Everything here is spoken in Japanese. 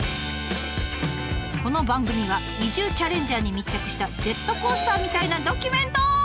この番組は移住チャレンジャーに密着したジェットコースターみたいなドキュメント！